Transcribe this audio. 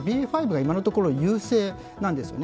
今のところ優勢なんですよね。